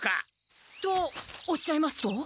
とおっしゃいますと？